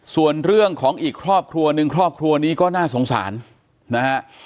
ส่วนเรื่องของอีกครอบครัวหนึ่งครอบครัวนี้ก็น่าสงสารนะฮะ